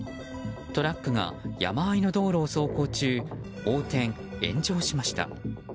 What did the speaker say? トラックが山あいの道路を走行中横転・炎上しました。